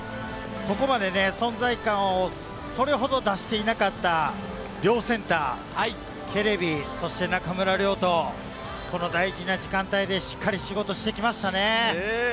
ここまで存在感をそれほど出していなかった両センター、ケレビと中村亮土、この大事な時間帯でしっかり仕事をしてきましたね。